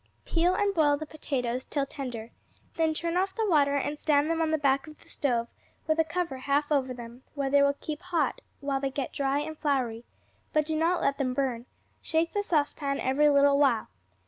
Peel and boil the potatoes till tender; then turn off the water and stand them on the back of the stove with a cover half over them, where they will keep hot while they get dry and floury, but do not let them burn; shake the saucepan every little while.